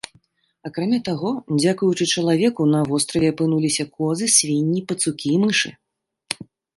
Акрамя таго, дзякуючы чалавеку на востраве апынуліся козы, свінні, пацукі і мышы.